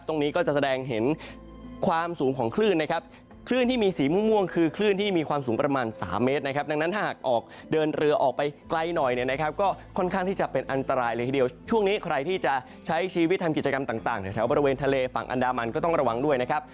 ตรงนี้ก็จะแสดงเห็นความสูงของคลื่นนะครับคลื่นที่มีสีม่วงคือคลื่นที่มีความสูงประมาณสามเมตรนะครับดังนั้นถ้าหากออกเดินเรือออกไปไกลหน่อยเนี่ยนะครับก็ค่อนข้างที่จะเป็นอันตรายเลยทีเดียวช่วงนี้ใครที่จะใช้ชีวิตทำกิจกรรมต่างแถวบริเวณทะเลฝั่งอันดามันก็ต้องระวังด้วยนะครับ